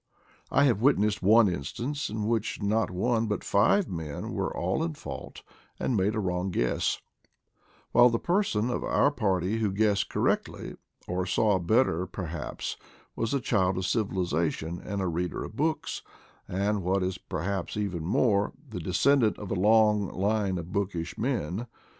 I have witnessed one instance in which not one but five men were all in fault, and made a wrong guess; while the one person of our party who guessed correctly, or saw better per haps, was a child of civilization and a reader of books, and, what is perhaps even more, the de scendant of a long line of bookish men.